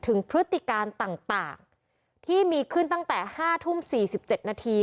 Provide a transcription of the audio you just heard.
พฤติการต่างที่มีขึ้นตั้งแต่๕ทุ่ม๔๗นาที